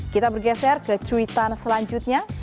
kita bergeser ke cuitan selanjutnya